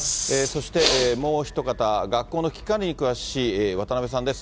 そして、もうひとかた、学校の危機管理に詳しい、わたなべさんです。